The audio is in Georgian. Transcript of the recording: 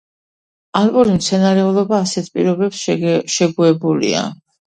ალპური მცენარეულობა ასეთ პირობებს შეგუებულია.